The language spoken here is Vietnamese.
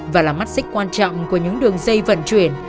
và là mắt xích quan trọng của những đường dây vận chuyển